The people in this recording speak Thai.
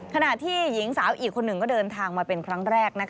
ขณะที่หญิงสาวอีกคนหนึ่งก็เดินทางมาเป็นครั้งแรก